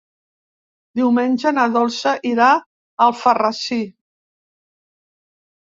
Diumenge na Dolça irà a Alfarrasí.